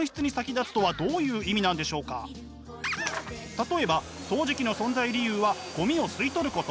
例えば掃除機の存在理由はごみを吸い取ること。